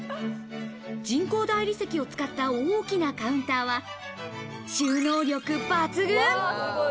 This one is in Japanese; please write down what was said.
人工大理石を使った大きなカウンターは、収納力抜群。